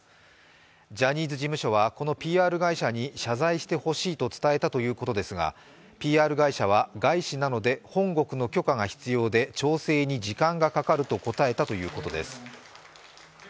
ジャニーズ事務所はこのＰＲ会社に謝罪してほしいと伝えたということですがＰＲ会社は外資なので本国の許可が必要で調整に時間がかかると答えたということです。